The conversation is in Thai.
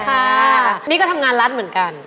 ค่ะนี่ก็ทำงานรัฐเหมือนกัน